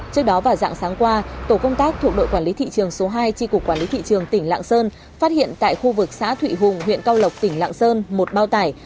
trước đó vào dạng sáng qua tổ công tác thuộc đội quản lý thị trường số hai tri cục quản lý thị trường tỉnh lạng sơn phát hiện tại khu vực xã thụy hùng huyện cao lộc tỉnh lạng sơn một bao tải